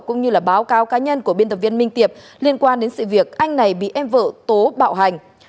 cũng như là báo cáo cá nhân của biên tập viên minh tiệp liên quan đến sự việc anh này bị em vợ tố bạo hành